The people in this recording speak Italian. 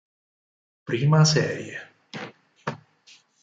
Prima serie.